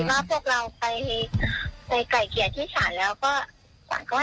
เราไปไก่เขียวคนที่ฉันแล้วก็